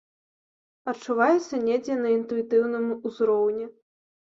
Адчуваецца недзе на інтуітыўным узроўні.